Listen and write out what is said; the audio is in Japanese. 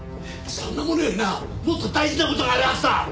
そんなものよりなもっと大事な事があるはずだ！